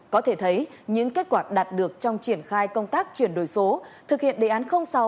có thể thấy những kết quả đạt được trong triển khai công tác chuyển đổi số